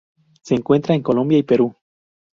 Se encuentra en Colombia y Perú?